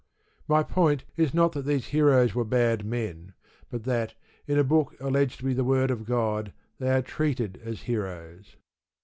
My point is not that these heroes were bad men, but that, in a book alleged to be the word of God, they are treated as heroes.